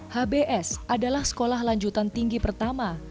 hbs adalah sekolah lanjutan tinggi pertama